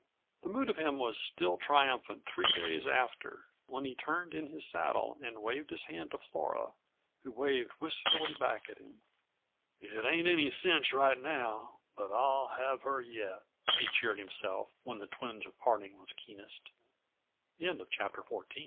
The mood of him was still triumphant three days after when he turned in his saddle and waved his hand to Flora, who waved wistfully back at him. "It ain't any cinch right now but I'll have her yet," he cheered himself when the twinge of parting was keenest. CHAPTER XV. _The Shadow Falls Li